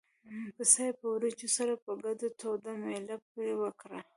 پسه یې په وریجو سره په ګډه توده مېله پرې وکړه.